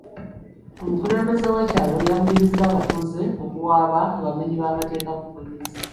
Omukulembeze w'ekyalo yakubirizza abatuuze okuwaaba abamenyi b'amateeka ku poliisi.